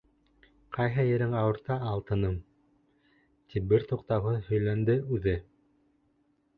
Ҡайһы ерең ауырта, алтыным? -тип бер туҡтауһыҙ һөйләнде үҙе.